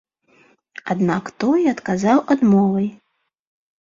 Аднак той адказаў адмовай.